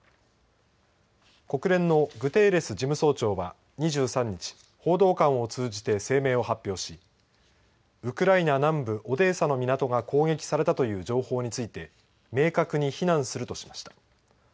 国連のグテーレス事務総長は２３日報道官を通じて声明を発表しウクライナ南部オデーサの港が攻撃されたという情報について明確に非難するとしました。